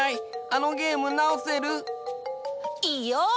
あのゲームなおせる？いいよ！